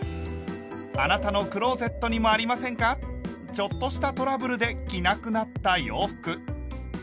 ちょっとしたトラブルで着なくなった洋服。